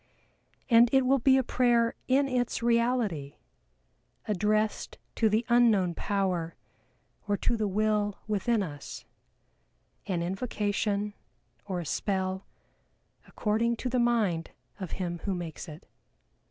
And it will be a prayer in its reality, addressed to the Unknown Power or to the Will within us an invocation, or a spell, according to the mind of him who makes it.